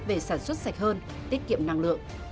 về sản xuất sạch hơn tiết kiệm năng lượng